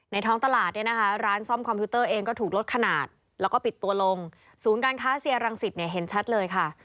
ท้องตลาดเนี่ยนะคะร้านซ่อมคอมพิวเตอร์เองก็ถูกลดขนาดแล้วก็ปิดตัวลงศูนย์การค้าเซียรังสิตเนี่ยเห็นชัดเลยค่ะ